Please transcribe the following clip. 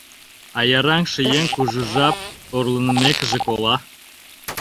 аяраҥше еҥ кужу жап орланымекыже кола.